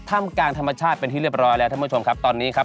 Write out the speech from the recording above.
กลางธรรมชาติเป็นที่เรียบร้อยแล้วท่านผู้ชมครับตอนนี้ครับ